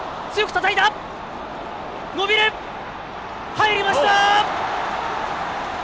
入りました！